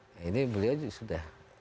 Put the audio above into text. nah ini beliau sudah